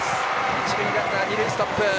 一塁ランナー、二塁ストップ。